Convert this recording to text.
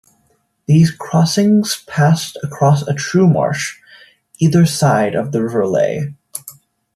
These crossings passed across a true marsh, either side of the River Lea.